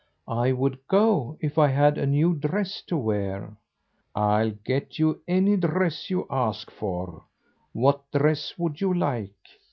"I would go if I had a new dress to wear." "I'll get you any dress you ask for. What dress would you like?"